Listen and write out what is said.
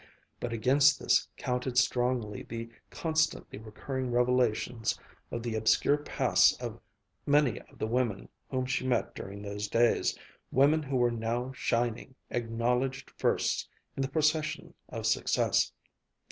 but against this counted strongly the constantly recurring revelations of the obscure pasts of many of the women whom she met during those days, women who were now shining, acknowledged firsts in the procession of success.